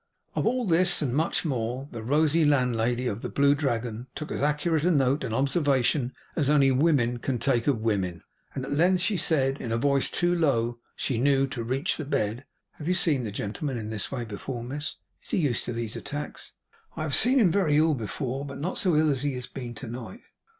Of all this, and much more, the rosy landlady of the Blue Dragon took as accurate note and observation as only woman can take of woman. And at length she said, in a voice too low, she knew, to reach the bed: 'You have seen the gentleman in this way before, miss? Is he used to these attacks?' 'I have seen him very ill before, but not so ill as he has been tonight.